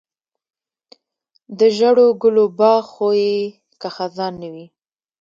د ژړو ګلو باغ خو یې که خزان نه وي.